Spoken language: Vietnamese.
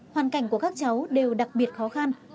hoàn cảnh của các cháu đều đặc biệt khó khăn